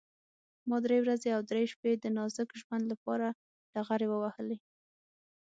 ما درې ورځې او درې شپې د نازک ژوند لپاره ډغرې ووهلې.